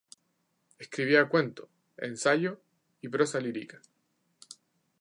Escribía cuento, ensayo y prosa lírica.